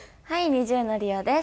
ＮｉｚｉＵのＲＩＯです。